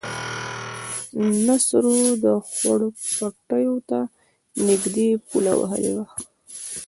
نصرو د خوړ پټيو ته نږدې پوله وهلې وه.